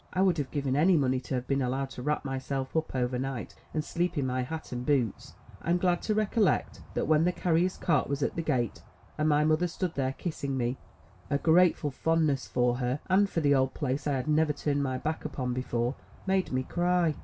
I would have given any money to have been allowed to wrap myself up over night, and sleep in my hat and boots. I am glad to recollect that when the carrier's cart was at the gate, and my mother stood there kissing me, a grateful fondness for her and for the old place I had never turned my back upon before, made me cry.